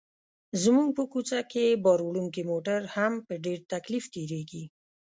زموږ په کوڅه کې باروړونکي موټر هم په ډېر تکلیف تېرېږي.